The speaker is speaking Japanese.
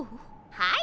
はい。